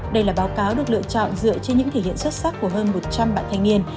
đây là báo cáo được lựa chọn dựa trên những thể hiện xuất sắc của hơn một trăm linh bạn thanh niên